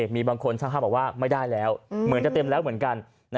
มีบางคนช่างภาพบอกว่าไม่ได้แล้วเหมือนจะเต็มแล้วเหมือนกัน